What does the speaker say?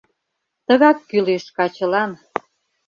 Тыгак кӱлеш качылан!